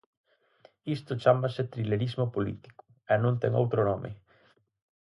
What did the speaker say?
Isto chámase trilerismo político, e non ten outro nome.